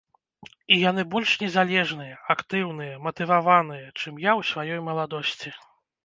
І яны больш незалежныя, актыўныя, матываваныя, чым я ў сваёй маладосці.